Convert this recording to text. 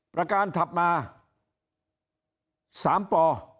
ประการถัดมา๓ป